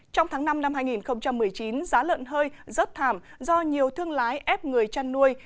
trong tháng năm năm hai nghìn một mươi chín giá lợn hơi rất thảm do nhiều thương lái ép người chăn nuôi